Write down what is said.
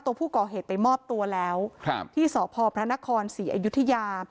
ตัวผู้ก่อเหตุไปมอบตัวแล้วที่สพรศ๔อายุธิยา